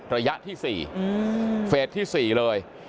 ระยะที่๔เฟสที่๔เลย